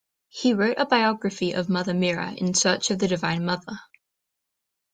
He wrote a biography of Mother Meera, "In Search of the Divine Mother".